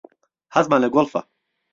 حەزمان لە گۆڵفە.